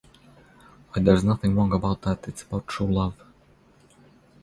Why, there's nothing wrong about that. It's about true love.